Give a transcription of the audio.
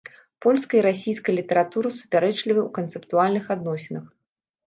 Польская і расійская літаратура, супярэчлівая ў канцэптуальных адносінах.